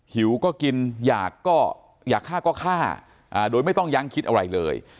หิวก็กินอยากก็อยากฆ่าก็ฆ่าโดยไม่ต้องยั้งคิดอะไรเลย